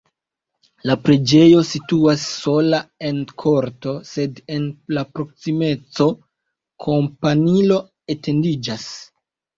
La preĝejo situas sola en korto, sed en la proksimeco kampanilo etendiĝas.